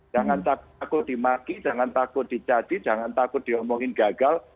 jangan takut dimaki jangan takut dicaci jangan takut diomongin gagal